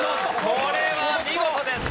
これは見事です。